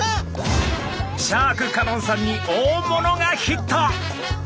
シャーク香音さんに大物がヒット。